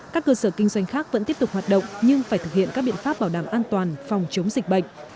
các cơ sở kinh doanh khác vẫn tiếp tục hoạt động nhưng phải thực hiện các biện pháp bảo đảm an toàn phòng chống dịch bệnh